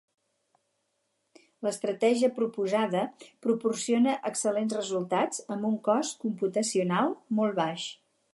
L'estratègia proposada proporciona excel·lents resultats amb un cost computacional molt baix.